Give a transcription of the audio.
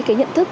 cái nhận thức